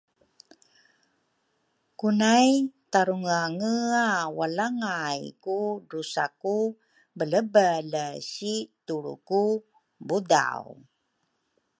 kunay tarungeangea walangay ku drusa ku belebele si tulru ku budau.